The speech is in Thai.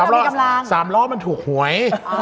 ไม่เราก็บอกไม่ต้องสามล้อมันถูกหวย